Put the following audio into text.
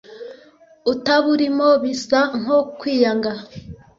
utaburimo bisa nko kwiyanga